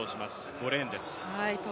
５レーンです。